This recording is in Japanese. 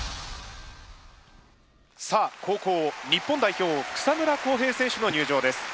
さあ後攻日本代表草村航平選手の入場です。